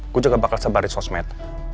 gue juga bakal sebaris sosmed